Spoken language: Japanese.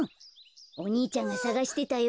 お兄ちゃんがさがしてたよ。